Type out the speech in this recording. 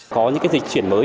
có những cái dịch chuyển mới